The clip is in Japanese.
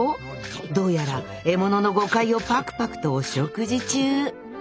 どうやら獲物のゴカイをパクパクとお食事中。